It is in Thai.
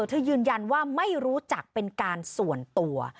เธอยืนยันว่าไม่รู้จักเป็นการส่วนตัว